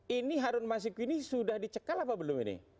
ini harun masyikuni sudah dicekal apa belum ini